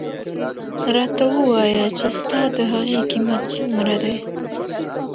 راته ووایه چې ستا د هغې قیمت څومره دی.